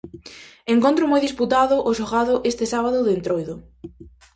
Encontro moi disputado o xogado este sábado de Entroido.